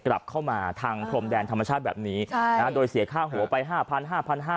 กลับเข้ามาทางพรมแดนธรรมชาติแบบนี้ใช่นะโดยเสียค่าหัวไปห้าพันห้าพันห้า